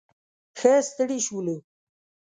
ښه ستړي شولو.